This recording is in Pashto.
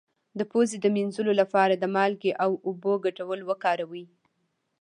د پوزې د مینځلو لپاره د مالګې او اوبو ګډول وکاروئ